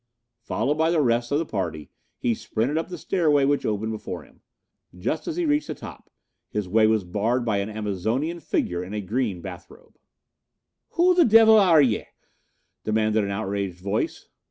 Followed by the rest of the party, he sprinted up the stairway which opened before him. Just as he reached the top his way was barred by an Amazonian figure in a green bathrobe. "Who th' divil arre yer?" demanded an outraged voice.